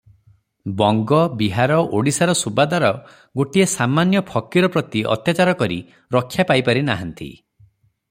ବଙ୍ଗ, ବିହାର, ଓଡ଼ିଶାର ସୁବାଦାର ଗୋଟିଏ ସାମାନ୍ୟ ଫକୀର ପ୍ରତି ଅତ୍ୟାଚାର କରି ରକ୍ଷା ପାଇପାରି ନାହାନ୍ତି ।